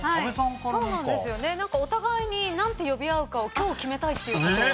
お互いに何て呼び合うかを今日決めたいっていうことを。